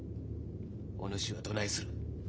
・お主はどないする？